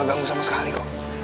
ganggu sama sekali kok